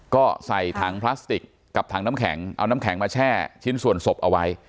ก็ใส่ถังพลาสติกกับถังน้ำแข็งเอาน้ำแข็งมาแช่ชิ้นส่วนศพเอาไว้